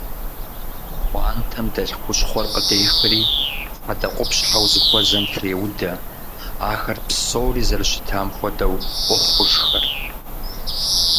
Пхъуантэм дэлъ хущхъуэр къыдехри хьэдэкъупщхьэу зыхуэзэм треудэ. Ахэр псори зэрыщытам хуэдэу къохъужхэр.